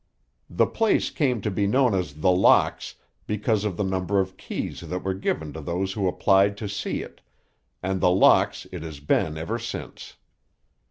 The place came to be known as The Locks because of the number of keys that were given to those who applied to see it, and The Locks it has been ever since."